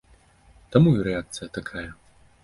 Таму і рэакцыя такая.